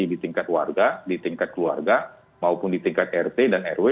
di tingkat warga di tingkat keluarga maupun di tingkat rt dan rw